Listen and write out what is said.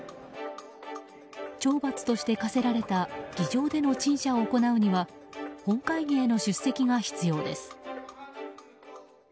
懲罰として科せられた議場での陳謝を行うには本会議への出席が必要です。